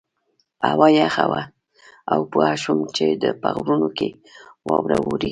هوا یخه وه او پوه شوم چې په غرونو کې واوره وورې.